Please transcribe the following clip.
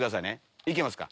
行けますか？